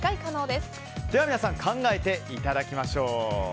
では皆さん考えていただきましょう。